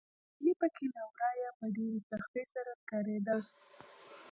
پښيماني پکې له ورايه په ډېرې سختۍ سره ښکاريده.